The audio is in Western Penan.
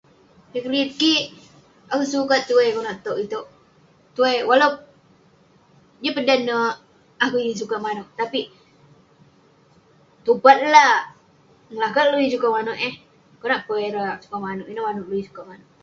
Eh keriyet kik, akouk sukat tuai konak tog itouk. Tuai- walau- niah peh dan neh akouk yeng sukat manouk tapik tupat lah. Ngelakat ulouk yeng sukat manouk eh. Konak peh ireh sukat manouk, inouk manouk ulouk yeng sukat manouk.